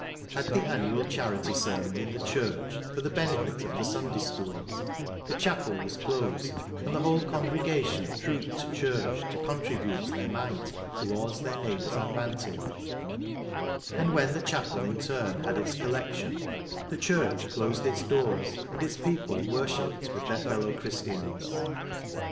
At the annual charity sermon in the church for the benefit of the Sunday schools, the chapel was closed, and the whole congregation trooped to church to contribute their mite towards their neighbours' advantage ; and when the chapel, in turn, had its collection, the church closed its doors, and its people worshipped with their fellow christians.